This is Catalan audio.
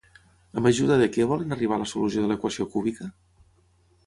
Amb ajuda de què volen arribar a la solució de l'equació cúbica?